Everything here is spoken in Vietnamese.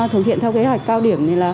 thực hiện theo kế hoạch cao điểm